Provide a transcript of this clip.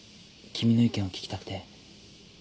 君の意見を聞きたくて。